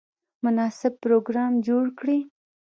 مناسب پروګرام جوړ کړي.